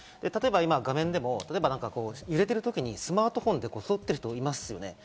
例えば画面でも揺れている時にスマートフォンで撮ってる人もいますね。